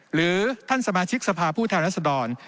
หรือท่านสมาชิกสภาพผู้แทนรัศดร